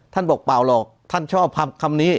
บอกเปล่าหรอกท่านชอบคำนี้